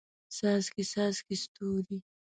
څاڅکي، څاڅکي ستوري